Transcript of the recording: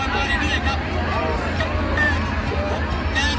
มาแล้วครับพี่น้อง